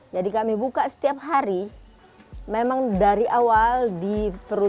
jadi kami buka setiap hari memang dari awal diperlukan